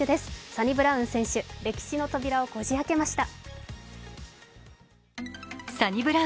サニブラウン選手、歴史の扉をこじ開けました。